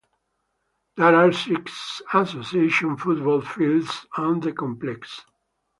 There are six Association football fields on the complex.